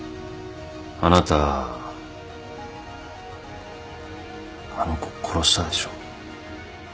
あなたあの子を殺したでしょ。